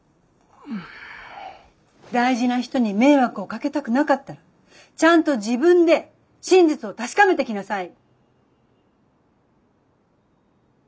大事な人に迷惑をかけたくなかったらちゃんと自分で真実を確かめてきなさい。